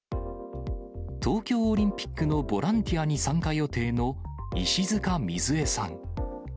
東京オリンピックのボランティアに参加予定の石塚みず絵さん。